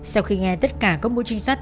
sau khi nghe tất cả các mũi chính sát